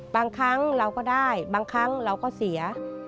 บางครั้งเราก็ได้บางครั้งเราก็เสีย